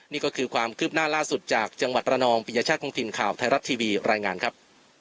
นี่ก็คือความคืบหน้าล่าสุดจากจังหวัดระนองปิยชาติคงถิ่นข่าวไทยรัฐทีวีรายงานครับ